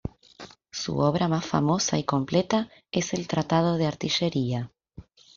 Su obra más famosa y completa es el "Tratado de Artillería".